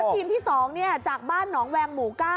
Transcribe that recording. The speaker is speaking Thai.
ทีมที่๒จากบ้านหนองแวงหมู่๙